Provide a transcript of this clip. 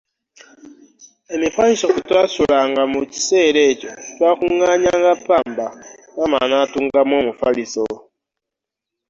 Emifaliso kwe twasulanga mu kiseera ekyo twakungaanyanga ppamba maama n’atungamu omufaliso.